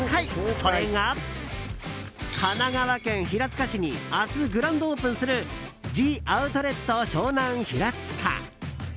それが神奈川県平塚市に明日グランドオープンするジ・アウトレット湘南平塚。